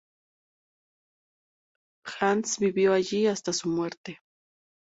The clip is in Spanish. Hans vivió allí hasta su muerte.